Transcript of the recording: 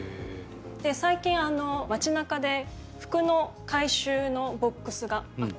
最近街中で服の回収のボックスがあったりとか。